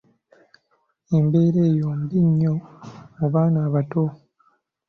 Embeera eyo mbi nnyo mu baana abato.